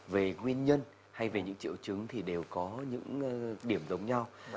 về nguyên nhân hay về những triệu chứng thì đều có những điểm giống nhau